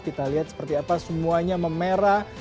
kita lihat seperti apa semuanya memerah